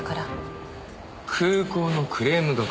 空港のクレーム係。